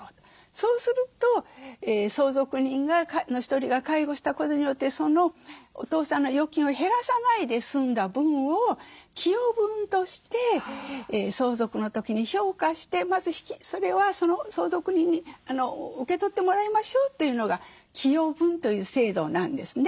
そうすると相続人の１人が介護したことによってそのお父さんの預金を減らさないで済んだ分を寄与分として相続の時に評価してまずそれはその相続人に受け取ってもらいましょうというのが寄与分という制度なんですね。